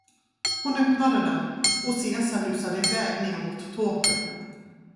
Hon öppnade den, och Cesar rusade iväg ner mot Tåkern.